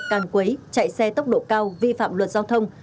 càn quấy chạy xe tốc độ cao vi phạm luật giao thông